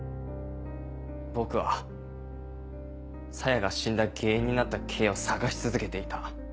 僕は沙耶が死んだ原因になった「Ｋ」を捜し続けていた。